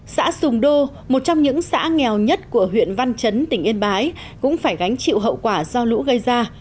xã sùng đô một trong những xã nghèo nhất của huyện văn chấn tỉnh yên bái cũng phải gánh chịu hậu quả do lũ gây ra